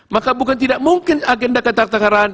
maka bukan tidak mungkin agenda ketatangan